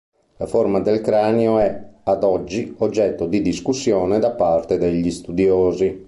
La forma del cranio è, ad oggi, oggetto di discussione da parte degli studiosi.